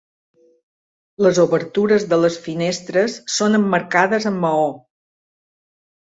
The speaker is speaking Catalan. Les obertures de les finestres són emmarcades amb maó.